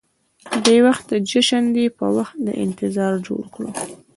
بې وخته جشن دې په وخت د انتظار جوړ کړو.